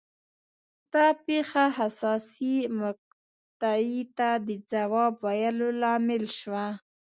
دا پېښه حساسې مقطعې ته د ځواب ویلو لامل شوه.